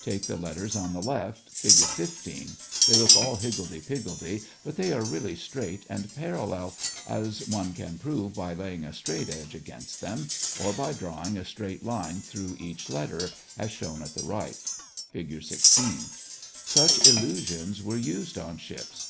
Take the letters on the left, Fig. 15. They look all higgledy piggledy, but they are really straight and parallel, as one can prove by laying a straight edge against them, or by drawing a straight line through each letter, as shown at the right, Fig. 16. Such illusions were used on ships.